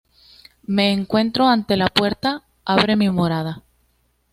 Me encuentro ante la puerta: abre, mi morada!